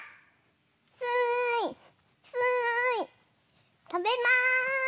すいすいとべます。